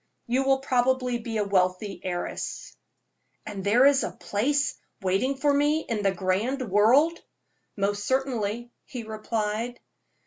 You will probably be a wealthy heiress." "And there is a place waiting for me in the grand world?" "Most certainly," he replied.